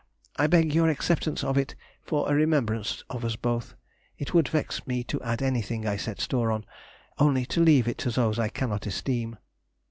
I beg your acceptance of it for a remembrance of us both; it would vex me to add anything I set store on, only to leave it to those I cannot esteem.